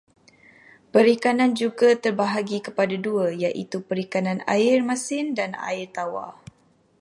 Perikanan juga terbahagi kepada dua, iaitu perikanan air masin dan air tawar.